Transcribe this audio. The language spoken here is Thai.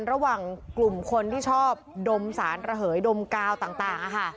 ระหว่างกลุ่มคนที่ชอบดมสารระเหยดมกาวต่าง